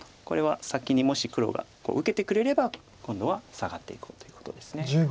これは先にもし黒が受けてくれれば今度はサガっていこうということです。